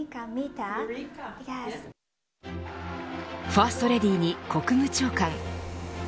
ファーストレディーに国務長官。